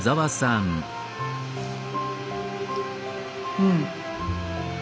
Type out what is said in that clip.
うん。